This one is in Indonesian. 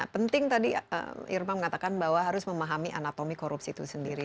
penting tadi irma mengatakan bahwa harus memahami anatomi korupsi itu sendiri